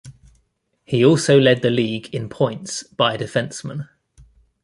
He also led the league in points by a defenceman.